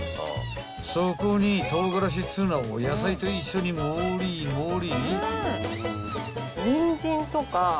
［そこに唐辛子ツナを野菜と一緒に盛り盛り］